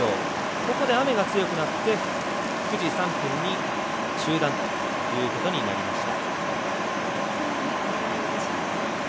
ここで雨が強くなって９時３分に中断ということになりました。